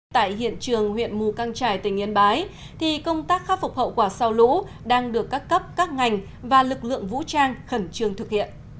tại hiện trường huyện mù căng trải tỉnh yên bái thì công tác khắc phục hậu quả sau lũ đang được các cấp các ngành và lực lượng vũ trang khẩn trương thực hiện